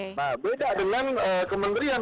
nah beda dengan kementerian